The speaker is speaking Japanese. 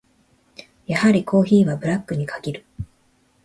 やはりコーヒーはブラックに限る。